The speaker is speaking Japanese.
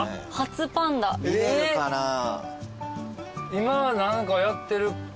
今は何かやってるっけ？